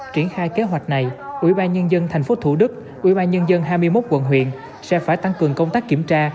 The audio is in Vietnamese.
triển khai kế hoạch này ubnd tp thủ đức ubnd hai mươi một quận huyện sẽ phải tăng cường công tác kiểm tra